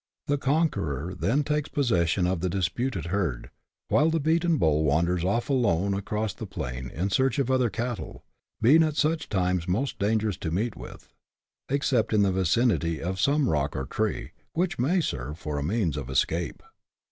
The conqueror then takes possession of the disputed herd, while the beaten bull wanders off alone across the plain in search of other cattle, being at such times most dangerous to meet with, except in the vicinity of some rock or tree, which may serve for a means of escape.